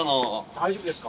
大丈夫ですか？